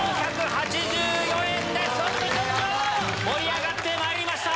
盛り上がってまいりました！